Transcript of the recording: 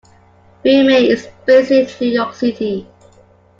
Veihmeyer is based in New York City.